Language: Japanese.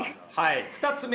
２つ目は？